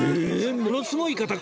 ものすごい方が！